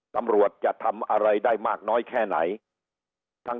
ตำรวจจะทำอะไรได้มากน้อยแค่ไหนทั้ง